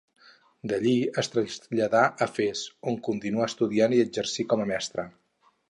D'allí es traslladà a Fes, on continuà estudiant i exercí com a mestre.